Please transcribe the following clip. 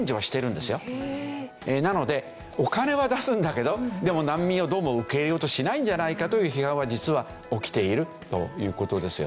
なのでお金は出すんだけど難民をどうも受け入れようとしないんじゃないかという批判は実は起きているという事ですよね。